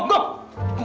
kenapa sih bos